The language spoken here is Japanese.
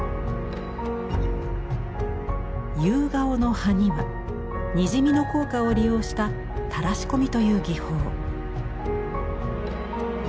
夕顔の葉にはにじみの効果を利用した「たらしこみ」という技法。